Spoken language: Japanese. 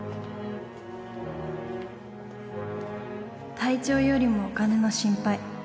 体調よりもお金の心配。